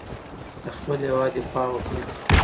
د خپل هېواد دفاع وکړه.